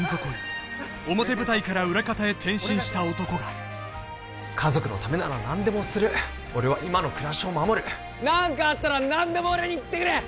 転身した男が家族のためなら何でもする俺は今の暮らしを守る何かあったら何でも俺に言ってくれ！